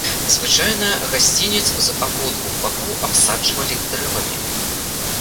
Звычайна, гасцінец з абодвух бакоў абсаджвалі дрэвамі.